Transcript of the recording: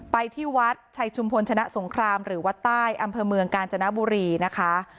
ไปที่วัดชัยชุมพลชนะสงครามหรือวัดใต้อำเภอเมืองกาญจนบุรีนะคะ